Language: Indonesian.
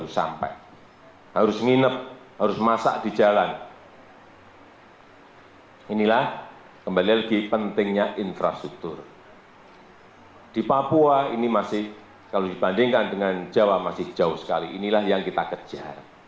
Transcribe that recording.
sekali inilah yang kita kejar